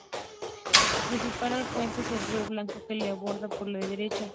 Su principal afluente es el río Blanco, que le aborda por la derecha.